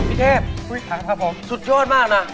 พี่เทพสุดโยชน์มากนะ